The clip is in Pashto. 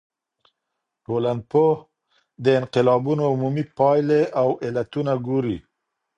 ټولنپوه د انقلابونو عمومي پايلي او علتونه ګوري.